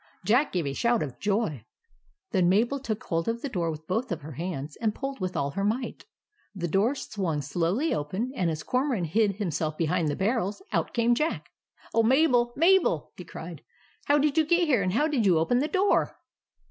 Jack gave a shout of joy. Then Mabel took hold of the door with both her hands, and pulled with all her might. The door swung slowly open, and, as Cormoran hid himself behind the barrels, out came Jack. " Oh, Mabel, Mabel !" cried he. " How did you get here, and how did you open the door?"